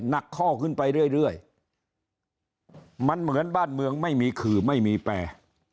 นักข้อขึ้นไปเรื่อยมันเหมือนบ้านเมืองไม่มีขื่อไม่มีแปร